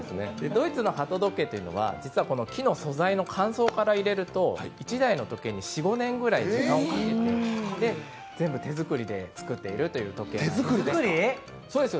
ドイツの鳩時計というのは実は木の素材の乾燥から入れると１台の時計に４５年ぐらい時間をかけて全部手作りで作っているという時計なんです。